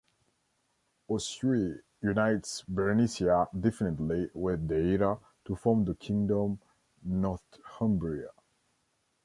Oswiu unites Bernicia definitely with Deira to form the kingdom Northumbria.